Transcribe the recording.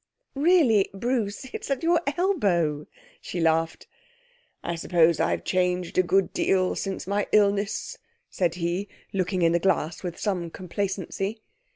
'Really, Bruce, it's at your elbow.' She laughed. 'I suppose I've changed a good deal since my illness,' said he looking in the glass with some complacency.